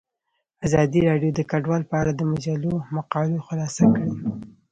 ازادي راډیو د کډوال په اړه د مجلو مقالو خلاصه کړې.